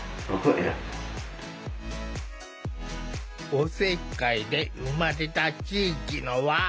おせっかいで生まれた地域の輪。